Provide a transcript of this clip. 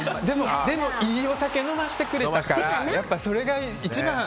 でも、いいお酒飲ませてくれたからやっぱりそれが一番。